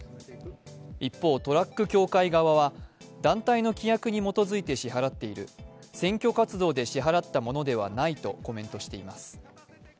一方、トラック協会側は、団体の規約に基づいて支払っている、選挙活動で支払ったものではないとコメントしています。